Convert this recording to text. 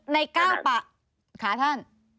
ใน๙ปากขาท่าน